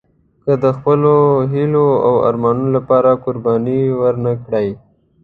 که د خپلو هیلو او ارمانونو لپاره قرباني ورنه کړئ.